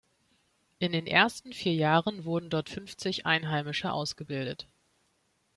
In den ersten vier Jahren wurden dort fünfzig Einheimische ausgebildet.